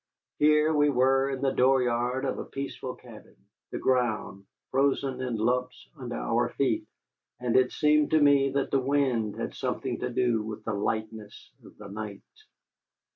Here we were in the door yard of a peaceful cabin, the ground frozen in lumps under our feet, and it seemed to me that the wind had something to do with the lightness of the night.